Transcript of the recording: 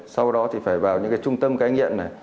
sau đó thì phải vào những trung tâm cái nghiện